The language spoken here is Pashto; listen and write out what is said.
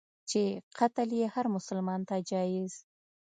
چي قتل یې هرمسلمان ته جایز.